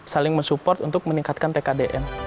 saling mensupport untuk meningkatkan tkdn